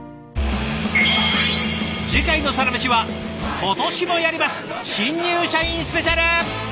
次回の「サラメシ」は今年もやります「新入社員スペシャル」！